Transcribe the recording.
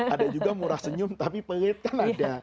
ada juga murah senyum tapi pelit kan ada